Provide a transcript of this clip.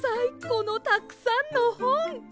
このたくさんのほん！